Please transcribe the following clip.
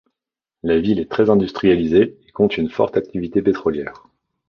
La ville est très industrialisée et compte une forte activité pétrolière.